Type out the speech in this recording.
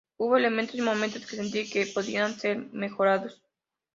Hubo elementos y momentos que sentí que podían ser mejorados.